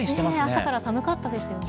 朝から寒かったですよね。